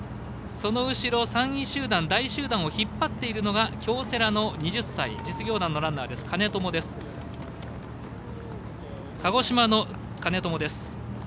その後ろ、３位集団大集団を引っ張っているのが京セラの実業団のランナー鹿児島の兼友です。